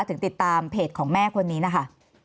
ติดตามเพจของแม่คนนี้นะคะ